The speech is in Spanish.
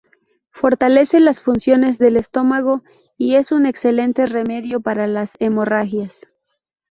Fortalece las funciones del estómago y es un excelente remedio para las hemorragias.